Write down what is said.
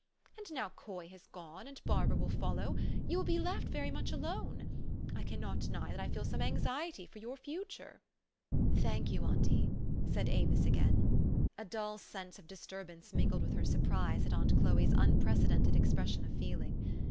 And now Coy has gone, and Barbara will soon follow, you will be left very much alone. I can not deny that I feel some anxiety for your future." " Thank you, auntie," said Avis again. A dull sense of disturbance mingled with her surprise at aunt Chloe's unprecedented expression of feeh'ng.